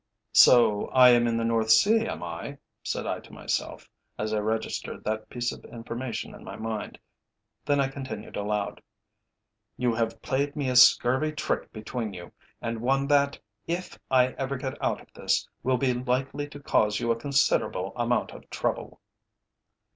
"So I am in the North Sea, am I?" said I to myself, as I registered that piece of information in my mind. Then I continued aloud, "You have played me a scurvy trick between you, and one that, if I ever get out of this, will be likely to cause you a considerable amount of trouble."